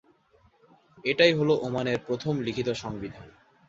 এটিই হলো ওমানের প্রথম লিখিত "সংবিধান"।